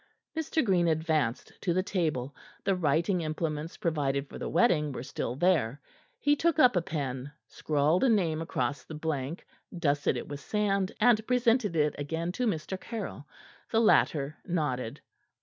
Mr. Green advanced to the table. The writing implements provided for the wedding were still there. He took up a pen, scrawled a name across the blank, dusted it with sand, and presented it again to Mr. Caryll. The latter nodded.